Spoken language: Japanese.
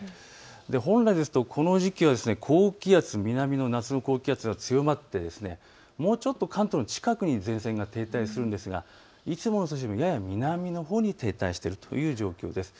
本来ですとこの時期は高気圧、南の高気圧強まって、関東の近くに停滞するんですがいつもより、やや南のほうに停滞しているという状況です。